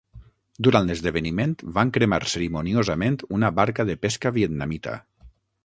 Durant l'esdeveniment, van cremar cerimoniosament una barca de pesca vietnamita.